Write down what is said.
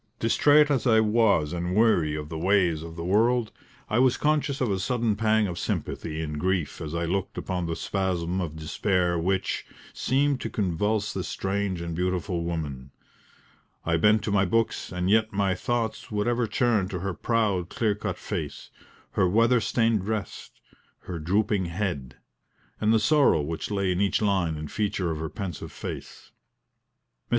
Distrait as I was and weary of the ways of the world, I was conscious of a sudden pang of sympathy and grief as I looked upon the spasm of despair which, seemed to convulse this strange and beautiful woman. I bent to my books, and yet my thoughts would ever turn to her proud clear cut face, her weather stained dress, her drooping head, and the sorrow which lay in each line and feature of her pensive face. Mrs.